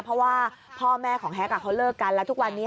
เพราะว่าพ่อแม่ของแฮ็กเขาเลิกกันแล้วทุกวันนี้